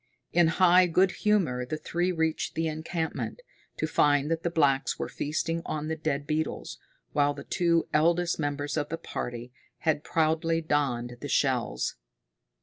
In high good humor the three reached the encampment, to find that the blacks were feasting on the dead beetles, while the two eldest members of the party had proudly donned the shells.